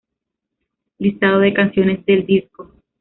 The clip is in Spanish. Listado de canciones del disco.